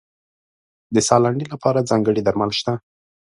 د ساه لنډۍ لپاره ځانګړي درمل شته.